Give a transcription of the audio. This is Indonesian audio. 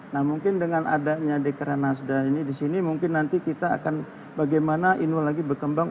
nah mungkin dengan adanya dekra nasda ini di sini mungkin nanti kita akan bagaimana inul lagi berkembang